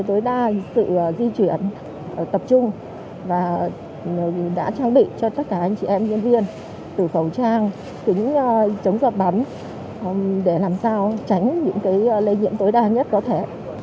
tối đa sự di chuyển tập trung và đã trang bị cho tất cả anh chị em nhân viên từ khẩu trang kính chống giọt bắn để làm sao tránh những lây nhiễm tối đa nhất có thể